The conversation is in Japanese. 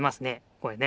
これね。